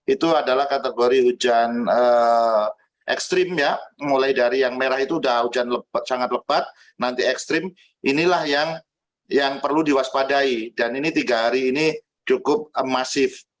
itu adalah kategori hujan ekstrim ya mulai dari yang merah itu sudah hujan sangat lebat nanti ekstrim inilah yang perlu diwaspadai dan ini tiga hari ini cukup masif